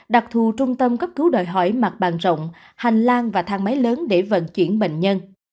đặc thù trung tâm cấp cứu đòi hỏi mặt bằng rộng hành lang và thang máy lớn để vận chuyển bệnh nhân